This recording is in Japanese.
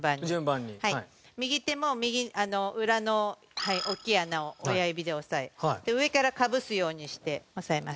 右手も裏の大きい穴を親指で押さえ上からかぶすようにして押さえます。